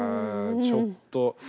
ちょっと。